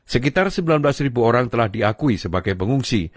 sekitar sembilan belas ribu orang telah diakui sebagai pengungsi